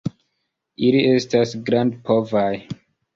Ili estas grandpovaj.